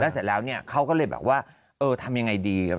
เสร็จแล้วเนี่ยเขาก็เลยแบบว่าเออทำยังไงดี